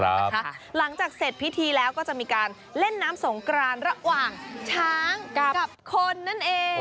หลังจากเสร็จพิธีแล้วก็จะมีการเล่นน้ำสงกรานระหว่างช้างกับคนนั่นเอง